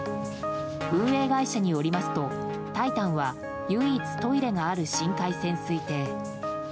運営会社によりますと「タイタン」は唯一トイレがある深海潜水艇。